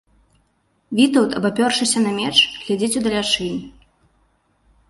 Вітаўт, абапёршыся на меч, глядзіць удалячынь.